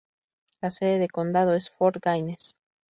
La sede de condado es Fort Gaines.